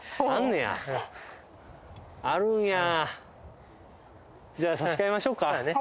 ねやあるんやじゃあ差し替えましょっかそやね